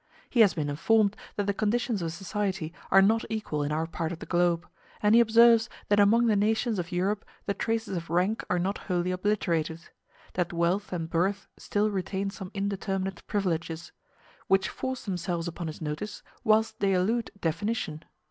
He has been informed that the conditions of society are not equal in our part of the globe, and he observes that among the nations of Europe the traces of rank are not wholly obliterated; that wealth and birth still retain some indeterminate privileges, which force themselves upon his notice whilst they elude definition.